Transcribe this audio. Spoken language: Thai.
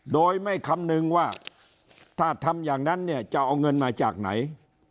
โดยไม่คำนึงว่าถ้าทำอย่างนั้นเนี่ยจะเอาเงินมาจากไหน